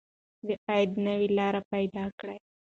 د عاید نوې لارې پیدا کړئ.